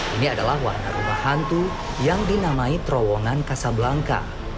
ini adalah wahana rumah hantu yang dinamai terowongan casablanca